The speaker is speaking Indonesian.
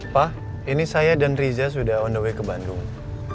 pak ini saya dan riza sudah on the way ke bandung